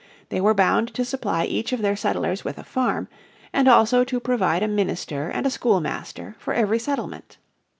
They were bound to supply each of their settlers with a farm, and also to provide a minister and a schoolmaster for every settlement.